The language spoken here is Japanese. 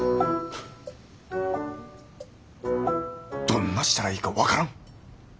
どんなしたらいいか分からん。